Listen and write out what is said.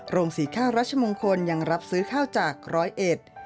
โรงสีข้าวรัชมงคลยังรับซื้อข้าวจากร้อยเอ็ด